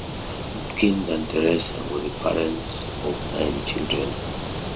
Hopkins and Teresa were the parents of nine children.